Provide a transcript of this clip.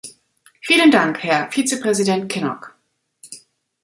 Vielen Dank, Herr Vizepräsident Kinnock.